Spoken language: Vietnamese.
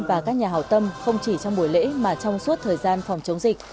và các nhà hào tâm không chỉ trong buổi lễ mà trong suốt thời gian phòng chống dịch